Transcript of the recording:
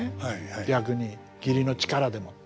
逆に義理の力でもって。